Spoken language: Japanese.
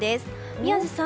宮司さん